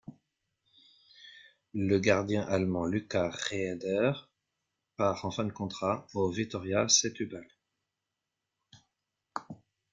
Le gardien allemand Lukas Raeder part en fin de contrat au Vitoria Setubal.